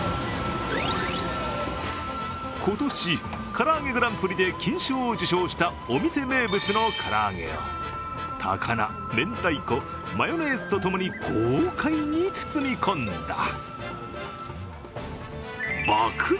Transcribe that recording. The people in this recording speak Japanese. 今年、唐揚げグランプリで金賞を受賞したお店名物の唐揚げを高菜、明太子、マヨネーズと共に豪快に包み込んだ爆弾